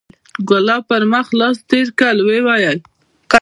ګلاب پر مخ لاس تېر کړ ويې ويل.